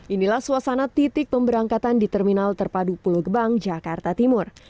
inilah suasana titik pemberangkatan di terminal terpadu pulau gebang jakarta timur